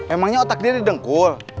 emangnya otak dia didengkul